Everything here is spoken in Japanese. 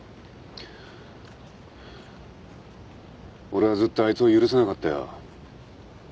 俺はずっとあいつを許せなかったよ。